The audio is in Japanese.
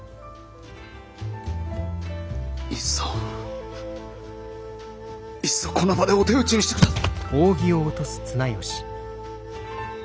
いっそいっそこの場でお手討ちにして下され！